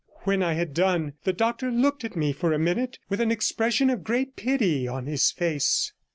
When I had done, the doctor looked at me for a minute with an expression of great pity on his face.